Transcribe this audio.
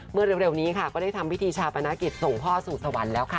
เร็วนี้ค่ะก็ได้ทำพิธีชาปนกิจส่งพ่อสู่สวรรค์แล้วค่ะ